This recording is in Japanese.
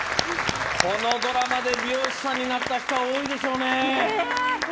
このドラマで美容師さんになった人は多いでしょうね。